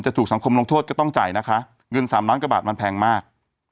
ถูกสังคมลงโทษก็ต้องจ่ายนะคะเงินสามล้านกว่าบาทมันแพงมาก